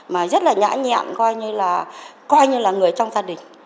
mà rất là nhã nhẹn coi như là người trong gia đình